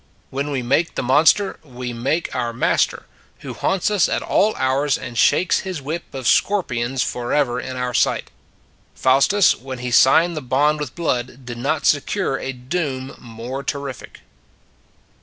When we make the monster, we make our master, who haunts us at all hours and shakes his whip of scorpions forever in our sight. Faustus, when he signed the bond with blood, did not secure a doom more terrific."